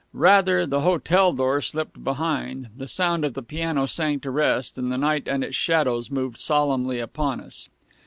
Rather the hotel door slipped behind, the sound of the piano sank to rest, and the night and its shadows moved solemnly upon us.